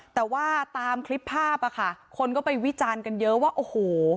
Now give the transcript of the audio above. แต่ว่าตามคลิปภาพอ่ะค่ะคนก็ไปวิจารณ์กันเยอะว่าโอ้โห